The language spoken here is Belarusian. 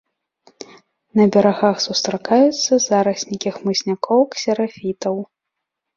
На берагах сустракаюцца зараснікі хмызнякоў-ксерафітаў.